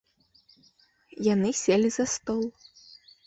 Яны селі за стол.